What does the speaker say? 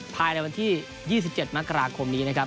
ภายในวันที่๒๗มกราคมนี้นะครับ